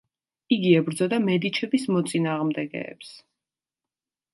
იგი ებრძოდა მედიჩების მოწინააღმდეგეებს.